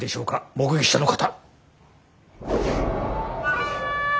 目撃者の方。